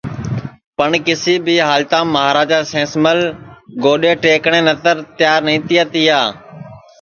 پٹؔ کیسی بھی ہالتام مہاراجا سینس مل گوڈؔے ٹئکٹؔے نتر تیار نائی تیا تیا